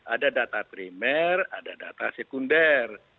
ada data primer ada data sekunder